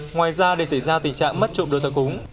ngoài ra để xảy ra tình trạng mất trộm đồ thờ cúng